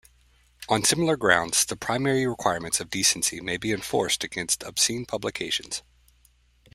On similar grounds, the primary requirements of decency may be enforced against obscene publications.